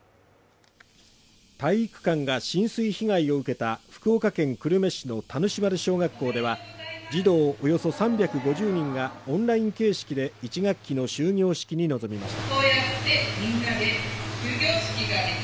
体育館が浸水被害を受けた福岡県久留米市の田主丸小学校では児童およそ３５０人がオンライン形式で１学期の終業式に臨みました。